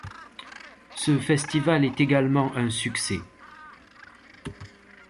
Ce festival est également un succès.